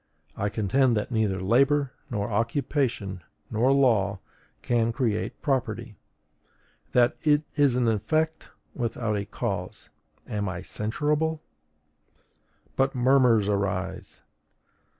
I contend that neither labor, nor occupation, nor law, can create property; that it is an effect without a cause: am I censurable? But murmurs arise!